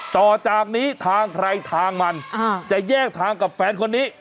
ต่อจากนี้ทางใครทางมันจะแยกทางกับแฟนคนนี้